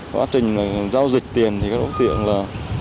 quá trình giao dịch tiền thì các đối tượng là